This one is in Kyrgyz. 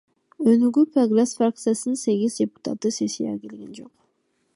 Өнүгүү — Прогресс фракциясынан сегиз депутат сессияга келген жок.